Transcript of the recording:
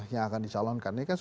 yang akan dicalonkan